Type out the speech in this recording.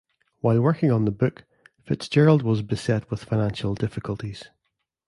While working on the book, Fitzgerald was beset with financial difficulties.